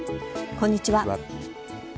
こんにちは。